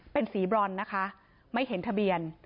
เป็นสีบรอนนะคะไม่เห็นทะเบียน